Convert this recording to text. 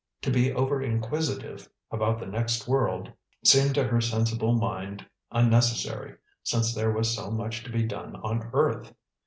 To be over inquisitive about the next world seemed to her sensible mind unnecessary, since there was so much to be done on earth.